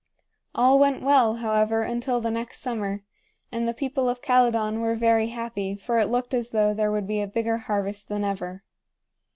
All went well, however, until the next summer; and the people of Calydon were very happy, for it looked as though there would be a bigger harvest than ever.